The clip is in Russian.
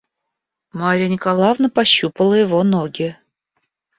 Марья Николаевна пощупала его ноги.